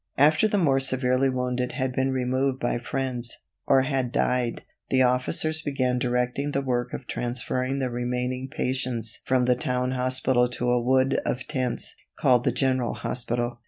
After the more severely wounded had been removed by friends, or had died, the officers began directing the work of transferring the remaining patients from the town hospital to a wood of tents, called the general hospital.